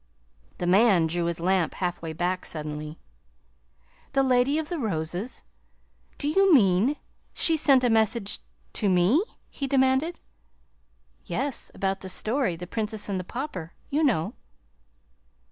The man drew his lamp halfway back suddenly. "The Lady of the Roses! Do you mean she sent a message to ME?" he demanded. "Yes; about the story, 'The Princess and the Pauper,' you know."